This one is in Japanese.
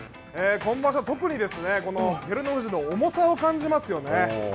今場所、特にこの照ノ富士の重さを感じますよね。